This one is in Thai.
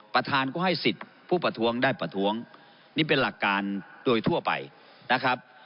ประธานก็ให้สิทธิ์ผู้ประท้วงได้ประท้วงนี่เป็นหลักการโดยทั่วไปนะครับ